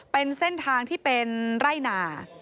เป็นเส้นทางที่เป็นไร่นา